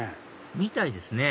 みたいですね